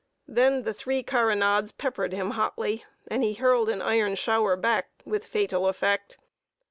Then the three carronades peppered him hotly; and he hurled an iron shower back with fatal effect.